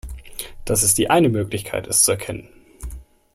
Das ist die eine Möglichkeit, es zu erkennen.